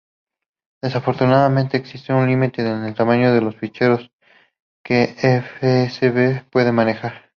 Desafortunadamente existe un límite de tamaño para los ficheros que fsv puede manejar.